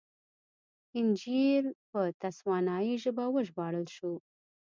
انجییل په تسوانایي ژبه وژباړل شو.